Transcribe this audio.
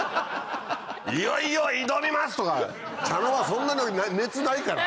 「いよいよ挑みます！」とか茶の間はそんなに熱ないから。